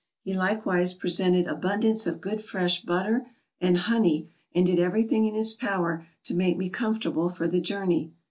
He likewise pre 384 AFRICA 385 sented abundance of good fresh butter and honey, and did everything in his power to make me comfortable for the jour ney.